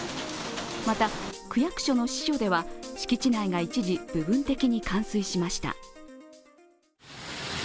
また、区役所の支所では敷地内が一時、部分的に冠水しました。